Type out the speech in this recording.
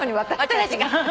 私たちか。